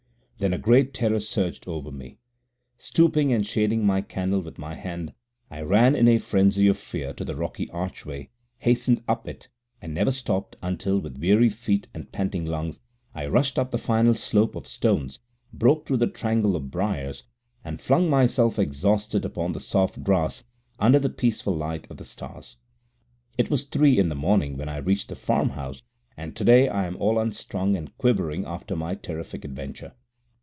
Then a great terror surged over me. Stooping and shading my candle with my hand, I ran in a frenzy of fear to the rocky archway, hastened up it, and never stopped until, with weary feet and panting lungs, I rushed up the final slope of stones, broke through the tangle of briars, and flung myself exhausted upon the soft grass under the peaceful light of the stars. It was three in the morning when I reached the farm house, and today I am all unstrung and quivering after my terrific adventure.